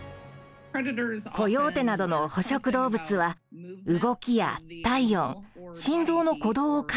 コヨーテなどの捕食動物は動きや体温心臓の鼓動を感知して襲います。